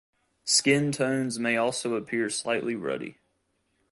Skin tones may also appear slightly ruddy.